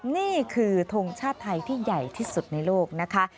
นี่คือทงชาติไทยที่ใหญ่ที่สุดในโลกนะคะ